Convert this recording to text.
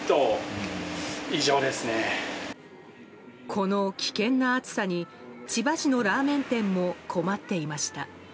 この危険な暑さに、千葉市のラーメン店も困っていました。